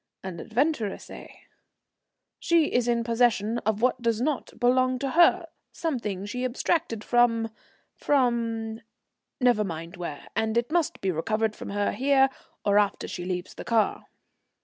"An adventuress, eh?" "She is in possession of what does not belong to her; something she abstracted from from Never mind where, and it must be recovered from her here, or after she leaves the car."